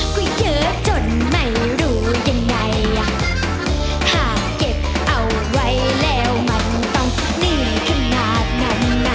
ก็เยอะจนไม่รู้ยังไงถ้าเก็บเอาไว้แล้วมันต้องเลื่อนขนาดนั้น